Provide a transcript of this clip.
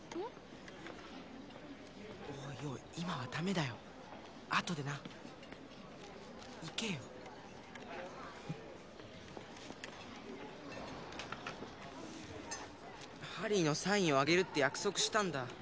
おいおい今はダメだよあとでな行けよハリーのサインをあげるって約束したんだ